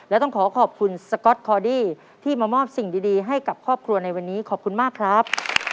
และต้องขอขอบคุณสก๊อตคอดี้ที่มามอบสิ่งดีให้กับครอบครัวในวันนี้ขอบคุณมากครับ